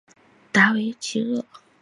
达韦齐厄。